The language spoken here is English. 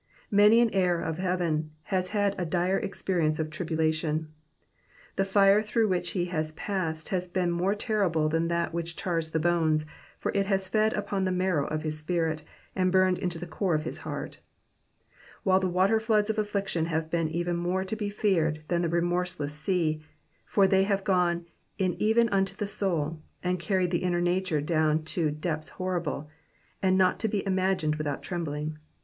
Many an heir of heaven has had a dire experience of tribulation ; the fire through which he has pasncd lias been more terrible than that which chars the bones, for it has fed upon the marrow of his spirit, and burned into the core of his heart ; while the waterfioods of afSiction have been even more to be feared than the remorse less sea, for they have gone in even unto the soul, and canicd the inner nature down into deeps horrible, and not to be imagined without trembling.